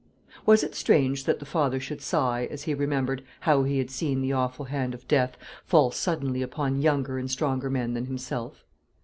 Was it strange that the father should sigh as he remembered how he had seen the awful hand of Death fall suddenly upon younger and stronger men than himself?